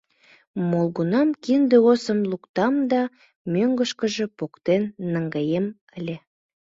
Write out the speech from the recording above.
Молгунам кинде осым луктам да мӧҥгышкыжӧ поктен наҥгаем ыле.